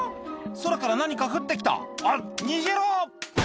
空から何か降って来たあっ逃げろ！